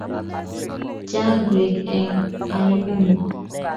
Chang' beek eng' aino ni.